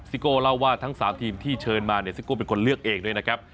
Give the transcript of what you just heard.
โก้เล่าว่าทั้ง๓ทีมที่เชิญมาเนี่ยซิโก้เป็นคนเลือกเองด้วยนะครับ